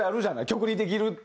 曲にできるって。